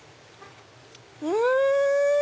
うん！